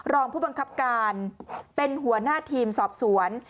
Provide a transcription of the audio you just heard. รองผู้บังคับการเป็นหัวหน้าทีมสอบสวน